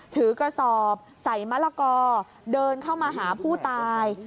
ถือกระสอบใส่มะละกอเดินเข้ามาหาผู้ตาย